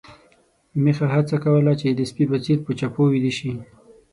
میښه هڅه کوله چې د سپي په څېر په چپو ويده شي.